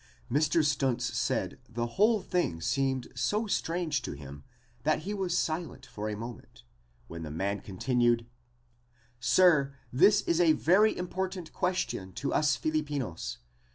Mr. Stuntz said the whole thing seemed so strange to him that he was silent for a moment, when the man continued: "Sir, this is a very important question to us Filipinos.